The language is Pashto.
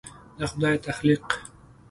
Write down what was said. د خدای تخلیق